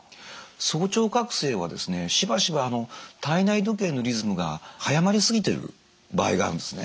早朝覚醒はですねしばしば体内時計のリズムが早まりすぎてる場合があるんですね。